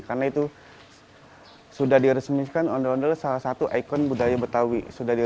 karena itu sudah diresmikan ondo ondo adalah salah satu ikon budaya betawi